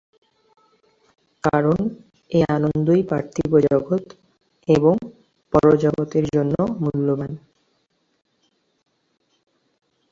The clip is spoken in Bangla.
কারণ এ আনন্দই পার্থিব জগৎ এবং পর জগতের জন্য মূল্যবান।